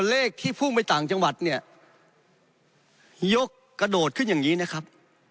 เลขที่พุ่งไปต่างจังหวัดเนี่ยยกกระโดดขึ้นอย่างนี้นะครับ